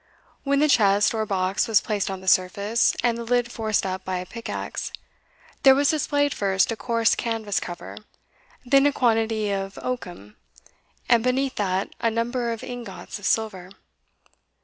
When the chest or box was placed on the surface, and the lid forced up by a pickaxe, there was displayed first a coarse canvas cover, then a quantity of oakum, and beneath that a number of ingots of silver.